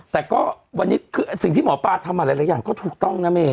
แต่ก็วันนี้คือสิ่งที่หมอปลาทำมาหลายอย่างก็ถูกต้องนะเมย